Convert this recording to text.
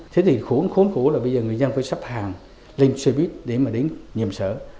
thế thì khốn khốn khổ là bây giờ người dân phải sắp hàng lên xe buýt để mà đến nhiệm sở